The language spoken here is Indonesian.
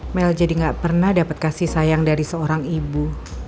mel jadi gak pernah dapat kasih sayang dari seorang ibu